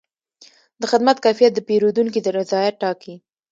د خدمت کیفیت د پیرودونکي رضایت ټاکي.